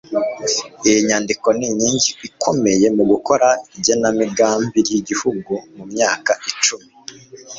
lyi nyandiko ni inkingi ikomeye mu gukora igenamigambi ry'igihugu mu myaka icumi